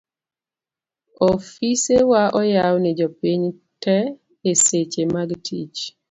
ofisewa oyaw ni jopiny te eseche mag tich